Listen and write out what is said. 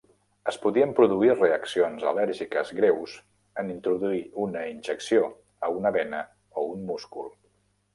Es poden produir reaccions al·lèrgiques greus en introduir una injecció a una vena o un múscul.